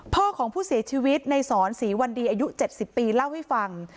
พ่อของผู้เสียชีวิตในสอนศรีวันดีอายุ๗๐ปีเล่าให้ฟัง